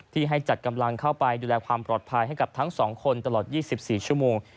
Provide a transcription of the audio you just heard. ให้จัดกำลังเข้าไปดูแลความปลอดภัยให้กับทั้ง๒คนตลอด๒๔ชั่วโมง